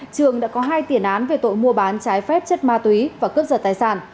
trường đã có hai tiền án về tội mua bán trái phép chất ma túy và cướp giật tài sản